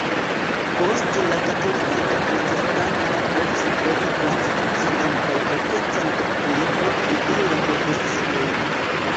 Poste la katolikaj kaj protestantoj provis trovi konstitucian kaj potencan ekvilibron inter la konfesioj.